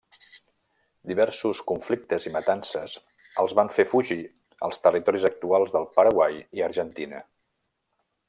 Diversos conflictes i matances els van fer fugir als territoris actuals de Paraguai i Argentina.